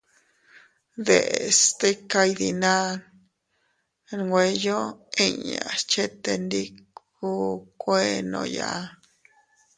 Deʼes stika iydinaa nweyo inñas chetendikuukuennooya.